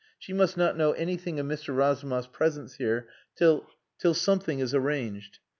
She must not know anything of Mr. Razumov's presence here till till something is arranged."